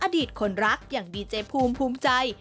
อดีตคนรักอย่างดีเจภูมิภูมิใจ